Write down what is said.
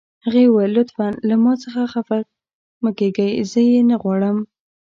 هغې وویل: لطفاً له ما څخه خفه مه کیږئ، زه یې نه غواړم.